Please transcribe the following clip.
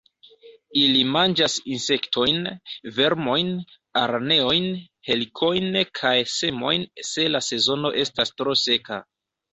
Ili manĝas insektojn, vermojn, araneojn, helikojn kaj semojn, se la sezono estas tro seka.